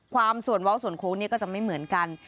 ความส่วนเว้าส่วนโค้งนี่ก็จะไม่เหมือนกัน